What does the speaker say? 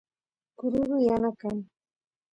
kururu yana kan